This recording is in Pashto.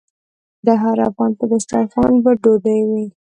د هر افغان په دسترخان به ډوډۍ وي؟